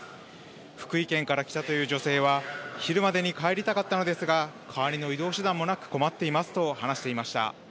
福井県から来たという女性は、昼までに帰りたかったのですが、代わりの移動手段もなく、困っていますと話していました。